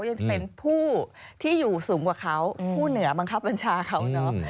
ยังเป็นผู้ที่อยู่สูงกว่าเขาผู้เหนือบังคับบัญชาเขาเนอะ